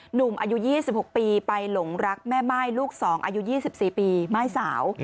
หนุ่มอายุ๒๖ปีไปหลงรักแม่ม่ายลูก๒อายุ๒๔ปีม่ายสาว